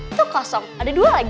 itu kosong ada dua lagi